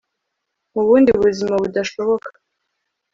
Mu bundi buzima budashoboka